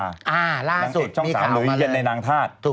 อ่าล่าสุดมีข่าวมาเลยถูกต้องนางเอ็ดช่องสามโดยเย็นในนางธาตุ